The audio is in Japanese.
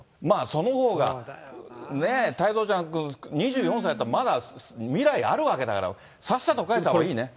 そのほうが、ね、太蔵ちゃん、２４歳やったら、まだ未来あるわけだから。さっさと返したほうがいいね。